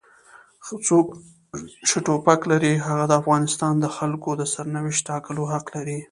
څوک چې ټوپک لري هغه د افغانستان د خلکو د سرنوشت ټاکلو حق لري.